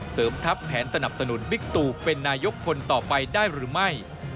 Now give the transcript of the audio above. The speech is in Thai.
เสริมทัพแผนสนับสนุนบิ๊กตูเป็นนายกคนต่อไปได้หรือไม่